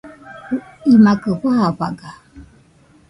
imakɨ fafaga